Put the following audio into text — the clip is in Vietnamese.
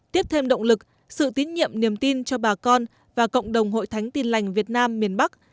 tiếp thêm động lực sự tín nhiệm niềm tin cho bà con và cộng đồng hội thánh tin lành việt nam miền bắc